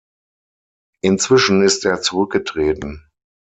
Inzwischen ist er zurückgetreten.